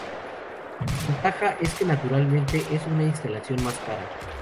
Su desventaja es que, naturalmente, es una instalación más cara.